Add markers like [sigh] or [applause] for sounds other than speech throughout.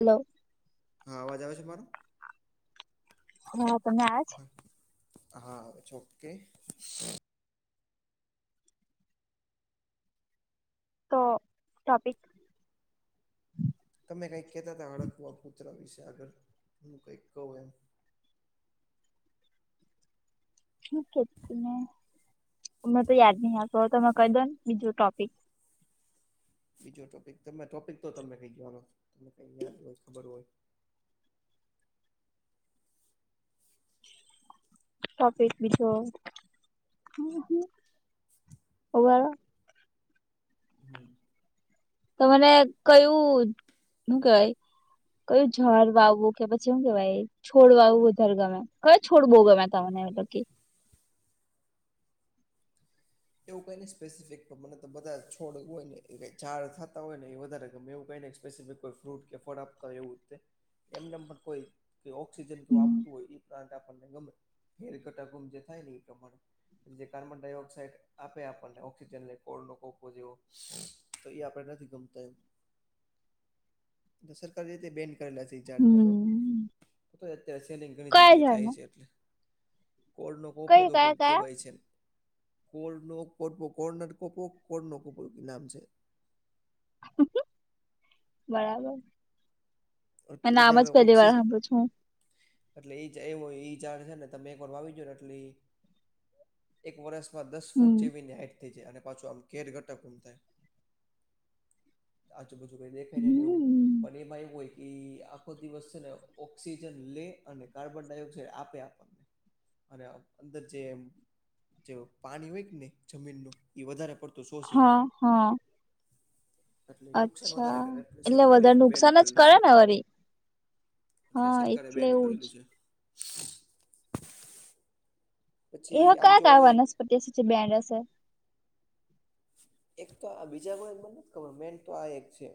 લો. હા અવાજ આવે છે મારો હું પને આજ હા ચોકે તો ટોપિક તમે કઈક કેતા તા હડકવા કૂતરા વિશે આગળ હું કઈક કઉ એમ હું કેતી તમને મનતો યાદ નહી આવતુ હવે તમે કઈ દોને બીજું ટોપિક બીજો ટોપિક તમે ટોપિક તો તમે કઈ દયો હાલો તમે કઈ યાદ હોય ખબર હોય ટોપિક બીજો [unintelligible] [inaudible] [unintelligible] હં તમારે કયું હું કેવાય કયું ઝાડ વાવવું કે પછી હું કેવાય છોડવાવો વધારે ગમે કયો છોડ બઉ ગમે તમને [unintelligible] કે એવું કઈ ને સ્પેસિફિક મને તો બધા છોડ હોય ને ઝાડ થતા હોય. ને એ વધારે ગમે એવું કઈ ને સ્પેસિફિક... કોઈ ફ્રૂટ કે ફળ આપતા હોય એવું તે એમને પણ કોઈ ઓક્સિજન કે એવું આપતું હોય. પ્લાન્ટ આપણને ગમે ઘેર ઘટા [unintelligible] જે થાય ને એ પ્રમાણે જે કાર્બન ડાયોક્સાઇડ... આપે આપણને ઓક્સિજન [unintelligible] તો એ આપડે નથી ગમતા એમ. [inaudible] સરકારી રીતે બેન... કરેલા છે ઈ ઝાડ ને હમ તોય અત્યારે સેલિંગ ઘણી કયા જગ્યાએ ઝાડને થાય છે, એટલે.. કોડનો કોપો કઈ કે એવું કયા કંઈક કયા કેવાય છે. કોડનો કોપો કોલેનટ કોપો કોડનો કોપો નામ છે. બરાબર. એટલે આ ઈ નામ ઝાડ જ પહેલી ઓક્સિ વાર સાંભળ છું હું. એટલે એ જ એવું ઝાડ છે ને તમે એક વાર વાવિદયો ને એટલે ઈ... એક વરષમાં દસ ફૂટ હમ જેવી એની હાઈટ થઈ જાય અને પાછું આમ ઘેર ઘટક ઘુમ થાય. આજુબાજુ કઈ દેખાય નયને એવું હમ પણ એમાં એવું હોય. ઈ આખો દિવસ છે ને ઓક્સિજન લે અને કાર્બન ડાયોક્સાઇડ આપે આપણને. અને અંદર જે એમ જે પાણી હોય કે નહીં જમીનનું... ઈ વધારે પડતું શોષી લે... હા હા એટલે નુકસાન અચ્છા, વધારે કરે એટલે સરકારે વધારે એને બેન નુકસાન જ કરેલું કરે છે. ને વરી... હા, સરકારે એટલે બેન એવું જ. કરેલું છે. પછી એવું આમ જોવા કયા-કયા જઈએ વનસ્પતિ હશે જે બેન્ડ હશે... એક તો આ બીજા કોઈ મને નથ ખબર મેન તો આ એક છે.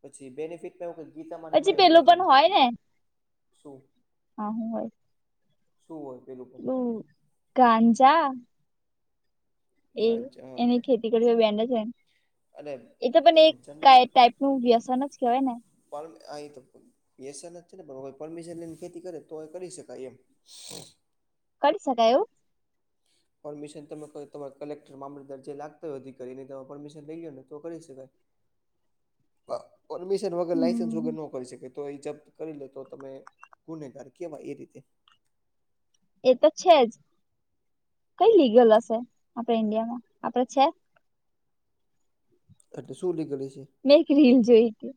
પછી બેનિફિટ ને એવું કંઈક ગીતા માં ને પછી એમાંય એવું પેલું પણ લખેલું છે. હોય ને શું હા હું હોય. શું હોય, પેલું [unintelligible] ગાંજા... એ ગાંજા તો એની ખેતી કરે તો બેન્ડ જ હોય ને. અને એ તો પણ એમ એક ક ટાઈપ નું વ્યસન જ કેવાય ને? [unintelligible] વ્યસન જ છે ને પણ કોઈ પરમિશન લઈને ખેતી કરે તો કરી શકાય એમ. કરી શકાય એવું પરમિશન તમે કોઈ તમારા કલેક્ટર મામલતદાર જે લાગતા હોય, અધિકારીની તમે પરમિશન લઈ લો ને તો કરી શકાય. [inaudible] પરમિશન વગર લાઈસન્સ હમ વગર ન કરી શકે તો એ જપ્ત કરીલો તો તમે ગુનેગાર કેવાય. એ રીતે... એ તો છે જ, કઈ લીગલ હશે આપડા ઈન્ડિયામાં આપડે છે. એટલે શું નીકળે છે? મેં એક રીલ જોઈ.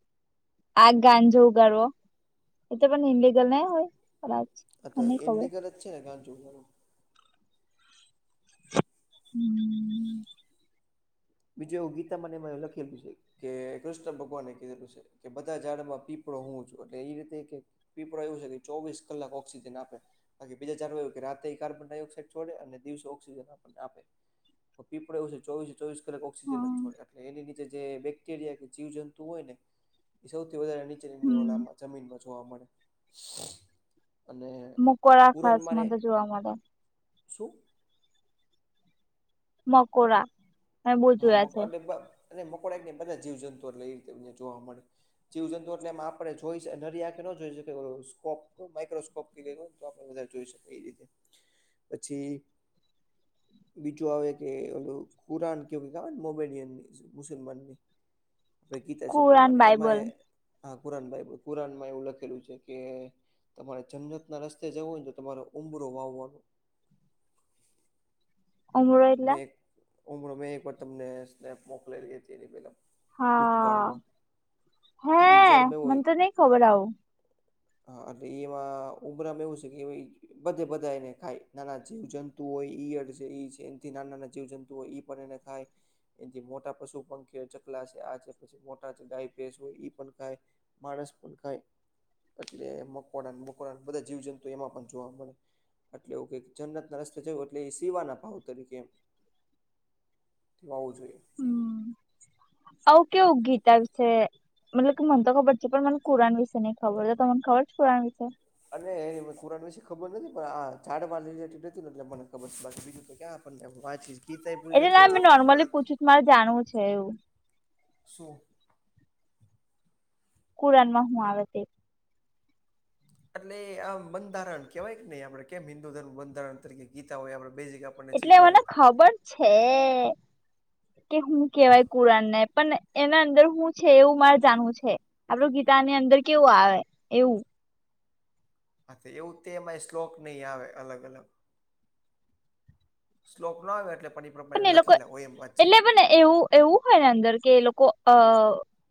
આ ગાંજો ઉગાડવો, એટ પણ ઇલિગલ ને હોય પ અ તો ઇનલિગલ જ છે ને, ગાંજો ઉગાડવો હમ્મ બીજું એવું ગીતા મને લખેલું છે કે કૃષ્ણ ભગવાન કીધેલું છે. કે બધા ઝાડમાં પીપળો હું છું એટલે એ રીતે કે પીપળો એવું છે કે ચોવીસ કલાક ઓક્સિજન આપે. બાકી બીજા ચારું એ કે રાતે કાર્બન ડાયોક્સાઇડ છોડે અને દિવસે ઓક્સિજન આપને આપે. પણ પીપોડો એવું છે, ચોવીસે ચોવીસ... કલાક ઓક્સિજન હા છોડે, એટલે એની નીચે જે બેક્ટેરિયા કે જીવ જંતુ હોય ને? એ સૌથી વધારે નીચેની હમ ઓલામાં જમીનમાં જોવા મળે. અને મકોડા કુરાન ખાસ મારે મને તો જોવા મળે શું. મકોરા. હા એ અને મોકોડા બધા જીવ જંતુ. એ એ રીતે જોવા મળે. જીવ જંતુ એટલે એમ આપણે જોઈ નરિ આખે કે ન જોઈ શ સ્કોપ માઇક્રોસ્. સ્કોપ થી લે તો આપણે બારે જોઈ શકીએ. એ રીતે પછી બીજું આવે કે ઓલું કુરાન. કે કોઈક આવેને મોમેનિયની મુસલમાનની કઈ ગીતા જે કુરાન પ્રમાણે એમાં બાઈબલ એ હા કુરાન ભાઈ કુરાન માં એવું લખેલું છે. કે તમારે જમનત ના રસ્તે જવું. હોયને તો તમારે ઉબરો વાવવાનો. ઉમરો એટલે મેં ઉમરો મેં એક વાર તમને સ્નેપ મોકલાલી હતી. એની પેલ હા ભૂતકાળમાં હે ઈ જાર મે મને હોય. તો નઈ ખબર આવું હા એટલે એમાં ઉમરામાં એવું છે. કે બધે બધા એને ખાય નાના જીવ જંતુ હોય ઈયડ છે. એ એનથી નાના નાના જીવ જંતુઓ હોય, ઈ પણ એને ખાય. એથી મોટા પશુ પંખીઓ ચકલા છે. આ છે પછી મોટા છે ગાય ભેસ હોય ઈ પણ કાય માણસ પણ કાય. એટલે મકોડા ન મકોડા બધા જીવ જંતુ એમાં પણ જોવા મળે. એટલે એવુ કે, જન્નત ના રસ્તે જયું, એટલે એ સીવાના પાાવત તરીકે એમ વાવું જોઈએ. હમ્મ, આવું કેવું ગીત આવસે મતલબ કે મને તો ખબર છે. પણ મને કુરાન વિશે માહિતી ખબર જો મને ખબર છે. કુરાન વિશે અને એનીં કુરાન વિશે ખબર નથી, પણ આ ચાડ માલ [unintelligible] રિલેટેડ હતી. એટલે મને ખબર છે. બાકી બીજું તો કે આ પણ એમ વાછી ગીતા એ પુરી એટલે ના મેં નથીવચ નોર્મલી કુરાન તો... પૂછું મારે જાણવું છે એવું શું? કુરાનમાં હું આવે તે એટલે આમ બંધારણ કેહેવાય. કે નને આપડે કેમ હિન્દુ ધર્મ બંધારણ તરીકે, ગીતા હોય આપડે બેઝ એટલે મને ખબર છે, કે હું તો કેવાય કુરાનને પણ. એના અંદર શું છે. એવું મારે જાણવું છે. આપડું ગીતાની અંદર કેવું આવે એવું. હા તો એવું તે એમાંય શ્લોક નહી. આવે અલગ અલગ સ્લોપ ના આવે. એટલે પ્રમાણે પણ એ લોકો લખેલા હોય એમ વાત છે એટલે પણ ને એવું. એવું હોય, ને અંદર કે એ લોકો અ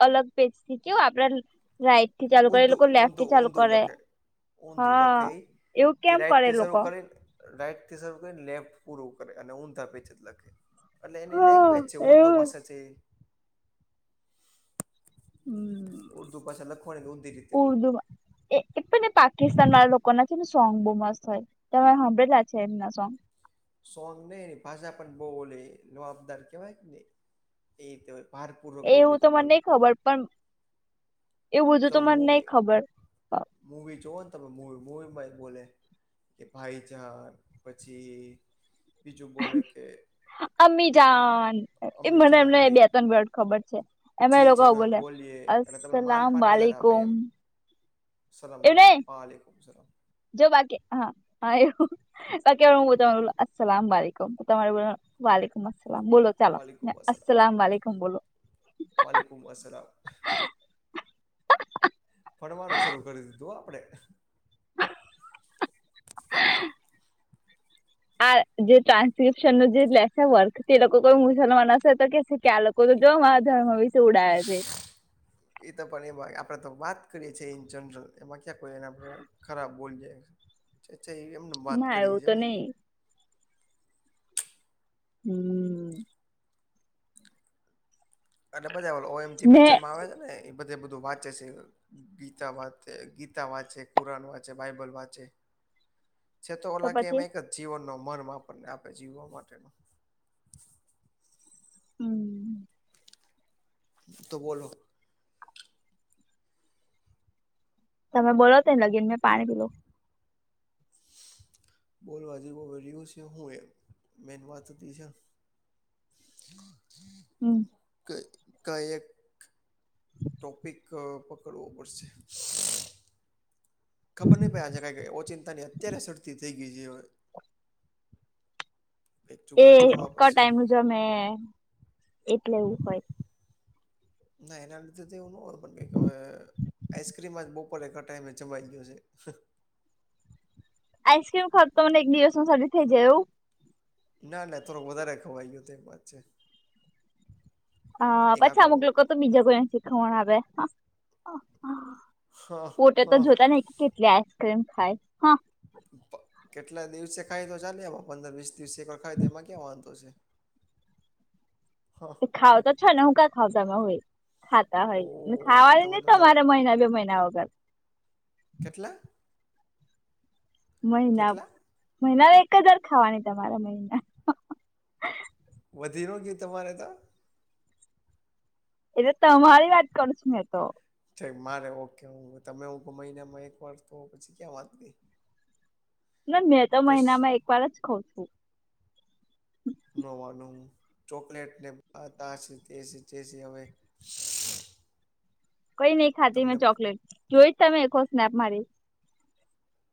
અલગ પેજથી કે આપડા રાઈટ. થી ચાલુ કરે એ ઊંધું લોકો લેફ્ટ ઊંધું થી ચાલુ ઊંધું કરે. લખે ઊંધું હા લખે એવું કેમ કરે એ લોકો. રાઈટ થી શરૂ કરીને લેફ્ટ પૂરું કરે. અને ઊંધા પેચત લખે. એટલે એની હા લેંગ્વેજ છે, ઉર્દુ એવું ભાષા છે. ઉર્દુ ભાષા. લખવાની ઊંધી રીતે હોય ઉર્દુ વા. એ એક તો એ પાકિસ્તાન વાળા લોકો ના છે. ને સોંગ બહુ મસ્ત તમે સાંભળેલા છે એમના સોંગ, સોંગ નહીને ભાષા પણ બોલે લોવાબદાર કેવાય. કે ને એ તો, ભાર પૂર્વક બહુ એવું તો બધુ મને બોલે. નઈ ખબર પણ. એવું બધું સવ તો મને નઈ મુવી, ખબર મૂવી જોઓ, ને તમે મવી મૂવીમાં બોલે. કે ભાઈ જાન પછી બીજું બોલે કે. અમીજાન એ મને અમીજાન એમને બે કઈક ત્રણ વર્ડ ખબર છે. એમ જી લોકો જના બોલે બોલીએ એટલે તમને અસલામ વાલીકુમ. અસમવાલેકુમ, વાલેકુમ સલામ. જો બાકી હા હા એવું બાકી હલો અસલામ વાલેકમ તમારે બોલ વલીલેકુમ અસલામ બોલો ચાલો અસલામ વાલલેકુમ બોલો હ હ, અસ્સલામ, હ, ફણવાનું શરૂ કરી દીધું હો આપણેે, આ જે ટ્રાન્સ્ક્રિપ્શન નું જે લેશે વર્ક તે લોકો કોઈ મુસલમાન હશે તો કેશે કે આ લોક કો જો મારા ધર્મ વિશે ઉડાવ છે. ઈ તો પણ એમાં આપડે તો વાત કરીએ છીએ ઇન જનરલ એમાં ક્યા એને આપણે ખરાબ બોલી જાય્છા એમને એમ વાત ના કરીએ એવું છીએ તો ને, નહી હમ, એટલે બધા ઓ એમ જે ને પિક્ચરમાં આવે છે ને એ બધે બધું વાંચે છે. ગીતા વાંચ ગીતા વાંચે, કુરાન વાંચે, બાઇબલ વાંચે, [inaudible] છે તો ઓલા કે એમ એક જ જીવનનો મર્મ આપણને આપે જીવવા માટેનો, હમ, તો બોલો, તમે બોલો તઈ લગીન મેં પાણી પી લો, બોલવા જેવો [unintelligible] વ્યું છે હું એમ મેન વાત હતી ઈ જ છે, [inaudible] હમ, કે ક એઈક ટોપિક પકડવો પડશે. ખબર નહી પડે આ છે ક કે એ ઓચિંતાની અત્યારે સડતી થઈ ગઈ જે હોય, કઈક એ જુગાડ કરવા પડશે કટાઈ મુજમે એટલે એવું હોય. ના એના લીધે તો એવું ન હોત પણ કઈક હવે, આઈસ્ક્રીમ બક પોરે ક ટાઈમે ચવાઈ ગયો છે. આઈસક્રીમ ખાવ તો મને એક દિવસમાં શરદી થઈ જાય એવું. ના ના થોડોક વધારે ખવાઈયો તે એ વાત છે. હા એક પછા આખો અમુક લોકો તો બીજા કોઈને શિખામણ આપે, હા પોતે તો હા જોતા નહી કેટલી આઈસ્ક્રીમ ખાય, હા. કેટલા દિવસે [unintelligible] પંદર-વીસ [unintelligible] ખાય તેમાં ક્યાં વાંધો છે, હ ખાાવ તો છો ને હું [unintelligible] ના હોય ઓ ખાવાની તમે નહિ તો જાઓ તમારે મહિના બે મહિના વગર કેટલા? મહિના, કેટલા મહિના માં એક જ વાર ખાવાની તમારે મહિના વધી નો ગ્યું તમારે તો એતો તમારી વાત કરું છું મેં તો કઈ મારે ઓકે હું તમે હું મહિનામાં એક વાર તો પછી ક્યાં વાંત ગઈ ના મેં તો બસ મહિનામાં એક વાર જ ખઉં છું [unintelligible] ચોકલેટ ને આ [unintelligible] તા છે જે છે હવે કઈ નઈ ખાધી તમને મેં ચોકલેટ જોઈ જ તમે એકો સ્નેપ મારી?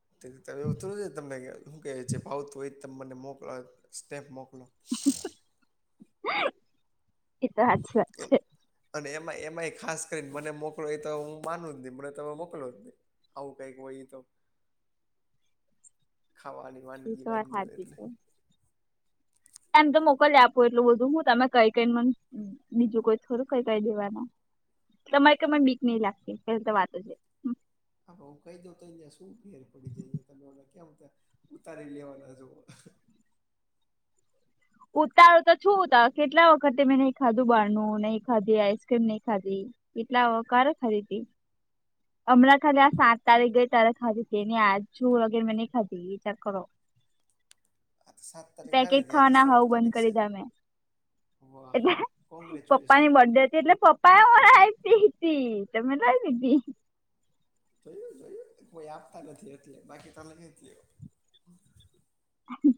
[unintelligible] કે જે ભાવતું હોય ઈજ તમે મને મોકલ સ્ટેપ મોકલો ઈ તો હાચી વાત છે અને એમાં એમાંય ખાસ કરીને મને મોકલો એ તો હું માનું જ નઈ મને તમે મોકલો જ નઈ આવું કઈક હોય ઇતો ખાવાની એ તો વાનગી વાત બાનગી હોય સાચી એટલે છે એમ તો મોકલયા આપુ એટલું બધું હું તમે કઈ કઈન મને બીજું કોઈ થોડું કઈ દઈ દેવાના તમારી કઈ મને બીક નહી લાગતી પેલી તો [unintelligible] હા, હું કહી દઉ તો અયાં શું ફેર પડી જાય.. [unintelligible] ઉતારી લેવાના જુઓ. ઉતારુ તો છું ત કેટલા વખતે મેં નહી ખાધું બહાર નું નહી ખાધી આઈસક્રીમ નહી ખાધી. એટલા [unintelligible] હતી. હમણાં ખાલી આ સાત તારીખ ગઈ ત્યારે ખાધી હતી, [unintelligible] નઈ ખાધી. વિચાર કરો. આ સાત તારીખ આવી... [unintelligible] બંધ કરી, [unintelligible] એટલે કોંગ્રેચ્યુલેશન પપ્પાની... એટલે પપ્પા એ [unintelligible] તીતી તો મે લઈ દીધી. જોયું જોયું કોઈ આપતા નથી, એટલે બાકી તમે લય જ લ્યો હમ્મ.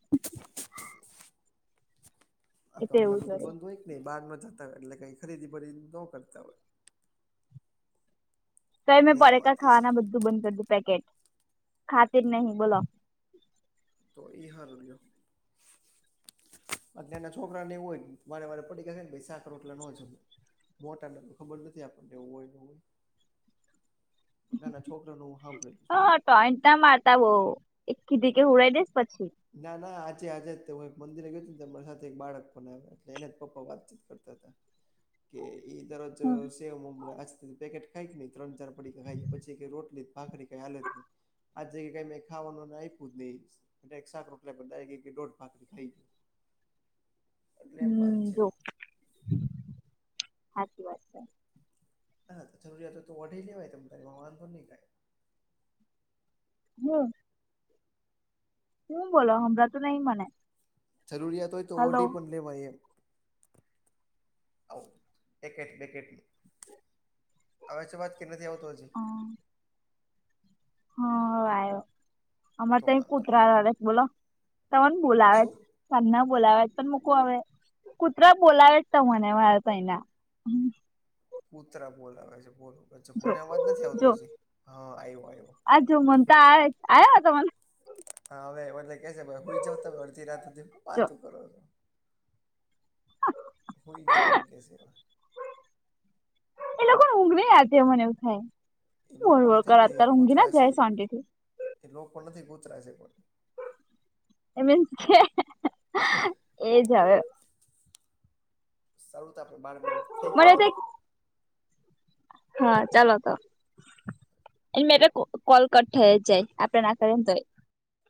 આ તો એટલે હમણા એવું બધું થયું બંધ હોય નઈ બહાર ન જતા હોય એટલે કઈ ખરીદી બરીદી ન કરતા હોય. તોએ મેં મેન પડીકા વાત એ છે ખાવાના બધુ બંધ કરી દીધા કે ખાતી જ નહીં બોલો. તો ઈ હારુ લ્યો. [inaudible] અત્યારના છોકરાને એવું હોય, વારે વારે પડીકા ખાયને તો શાક રોટલા નો જમે. મોટા ને ખબર નથી, આપણને એવું હોય નો હોય. [inaudible] નાના છોકરાનું હું [unintelligible] છ. [unintelligible] મારતા હો [unintelligible] દઈસ પછી. ના ના આજે આજે જ તે હું એક મંદિરે ગ્યો ને [unintelligible] સાથે એક બાળક પણ આવ એના જ પપ્પા જ વાતચીત કરતા હતા. [inaudible] એ ઈ દરોજ સેવ મમરા આઇસ્ક્રીમ પેકેટ... [unintelligible] ત્રણ ચાર પડિકા ખાઈ ને પછી કે રોટલી... ભાખરી કઈ હાલત નહી, જગ્યા કઈ મે ખાવાનું આપ્યું જ નહી. એટલે એક શાકરોટલા બંધાઈ ગઈ કે ધોળ ભાકરી ખાઈ ગઈ એટલે એમ વાત છે. હાચી વાત છે. હા, જરૂરીયાતો તો વઢે લેવાય તમ તને વાંધો નહીં થાય. [unintelligible] હું બોલો હભળાતું નહી મને. જરૂરિયાત હોય તો હલો ઓઢી પણ લેવાય એમ. આવું, પેકેટ બેકેટ. આવે છે અવાજ કે નથી આવતો હજી? હ હા, હવે આવ્યો, અમારે તો ત્યાં વાંધો નહી કૂતરા રડે બોલો, કોણ બોલાવે શું છે પણના બોલાવે પણ મૂકવા આવે. કુતરા બોલાવે તમને મારા તઈ ના. કૂતરા બોલાવે છે, બોલો અચ્છા જો મને અવાજ નથી આવતો જો હજી, હા આવ્યો, આવ્યો. આ જો મન આયોને તમને. હા, હવે એટલે કે છે ભાઈ હુંઈ જાવ ત અડધી રાત સુધી હું જો વાતું કરો છો. હ. હુઈ જાવ એમ કે છે. એ લોકોને ઊંઘ નહી આવતી હોય મને એવું થાય. એ હું બોલ લોકો બોલ નથી કરે, ને એ અત્યારે ઊંઘી ન કૂતરા છે જાય શાંતીથી. એ લોકો નથી કુતરા છે પણ. એ મીન્સ એજ હવે. સારું તો, આપડે બાર મિનિટ થઈ ગઈ મને છે. તો હા, ચાલો તો, એની મેતે કોલ કટ થઈ જ જાય આપડે ના કરીએ તોય.